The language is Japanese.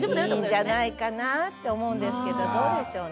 いいんじゃないかなって思うんですけどどうでしょうね？